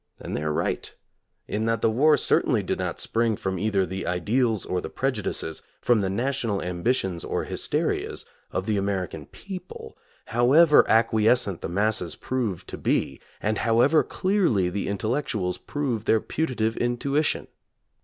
And they are right, in that the war certainly did not spring from either the ideals or the prejudices, from the national ambitions or hysterias, of the American people, however acquiescent the masses prove to be, and however clearly the intellectuals prove their putative intuition.